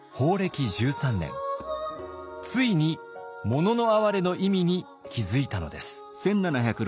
ついに「もののあはれ」の意味に気付いたのです。